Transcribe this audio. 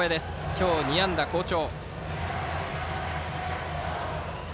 今日２安打と好調。